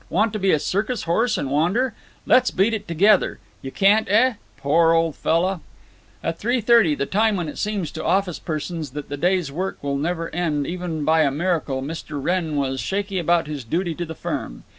Want to be a circus horse and wander? Le's beat it together. You can't, eh? Poor old fella!" At three thirty, the time when it seems to office persons that the day's work never will end, even by a miracle, Mr. Wrenn was shaky about his duty to the firm.